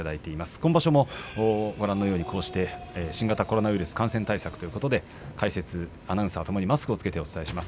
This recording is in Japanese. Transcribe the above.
今場所もご覧のように新型コロナウイルス感染対策ということで解説、アナウンサーともにマスクを着けてお伝えします。